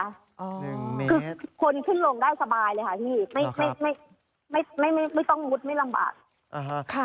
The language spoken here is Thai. คือคนขึ้นลงได้สบายเลยค่ะพี่ไม่ต้องมุดไม่ลำบาก